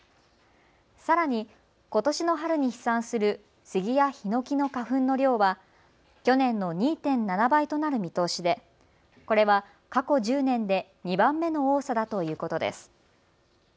さらに、ことしの春に飛散するスギやヒノキの花粉の量は去年の２．７倍となる見通しでこれは過去１０年で２番目の多さだということです。